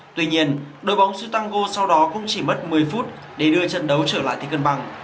tuy nhiên đội bóng stango sau đó cũng chỉ mất một mươi phút để đưa trận đấu trở lại thi cân bằng